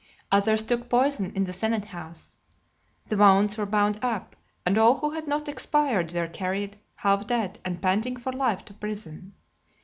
Others took poison in the senate house. The wounds were bound up, and all who had not expired, were carried, half dead, and panting for life, to prison.